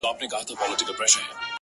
• پاچا او ګدا,